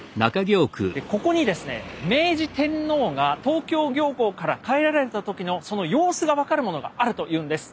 ここにですね明治天皇が東京行幸から帰られた時のその様子が分かるものがあるというんです。